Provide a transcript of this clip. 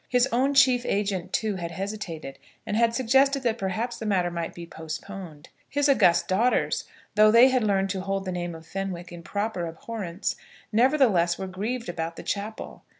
His own chief agent, too, had hesitated, and had suggested that perhaps the matter might be postponed. His august daughters, though they had learned to hold the name of Fenwick in proper abhorrence, nevertheless were grieved about the chapel.